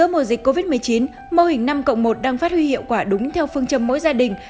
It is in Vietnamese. mô hình năm cộng một đã phát huy hiệu quả đúng theo phương châm mỗi gia đình